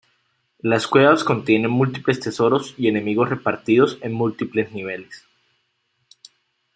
Las cuevas contienen múltiples tesoros y enemigos repartidos en múltiples niveles.